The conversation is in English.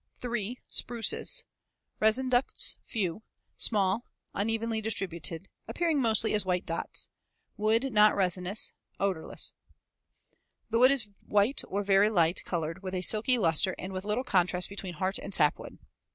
Spruces. Resin ducts few, small, unevenly distributed; appearing mostly as white dots. Wood not resinous; odorless. The wood is white or very light colored with a silky luster and with little contrast between heart and sapwood.